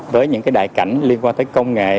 với những đài cảnh liên quan tới công nghệ